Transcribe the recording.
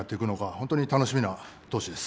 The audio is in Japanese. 本当に楽しみな投手です。